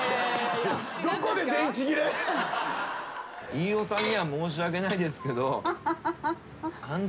飯尾さんには申し訳ないですけど。